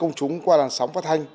công chúng qua làn sóng phát thanh